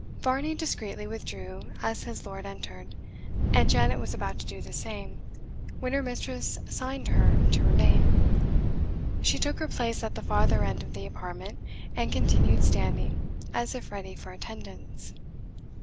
Varney discreetly withdrew as his lord entered, and Janet was about to do the same, when her mistress signed to her to remain. She took her place at the farther end of the apartment, and continued standing, as if ready for attendance.